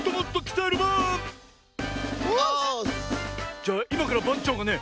じゃあいまからばんちょうがね